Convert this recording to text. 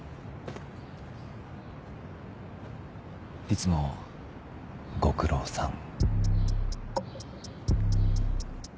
いつもご苦労さん。